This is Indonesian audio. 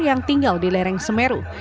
yang tinggal di lereng semeru